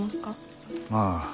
ああ。